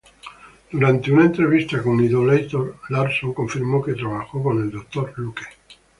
Durante una entrevista con "Idolator", Larsson confirmó que trabajó con el Dr. Luke.